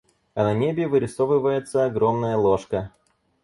А на небе вырисовывается огромная ложка.